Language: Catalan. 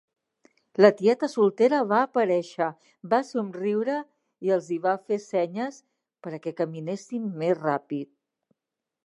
La tieta soltera va aparèixer, va somriure i els hi va fer senyes per a que caminessin més ràpid.